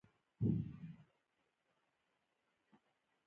محمدرسول د دعا غوښتنه وکړه.